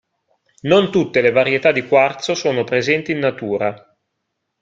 Non tutte le varietà di quarzo sono presenti in natura.